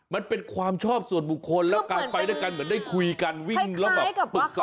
มันเป็นความชอบส่วนบุคคลแล้วการไปด้วยกันเหมือนได้คุยกันวิ่งแล้วแบบปรึกษา